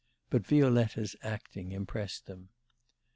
... But Violetta's acting impressed them.